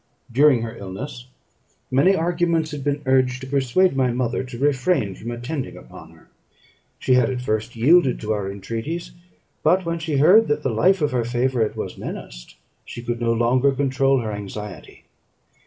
During her illness, many arguments had been urged to persuade my mother to refrain from attending upon her. She had, at first, yielded to our entreaties; but when she heard that the life of her favourite was menaced, she could no longer control her anxiety.